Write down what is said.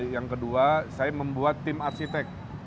yang kedua saya membuat tim arsitek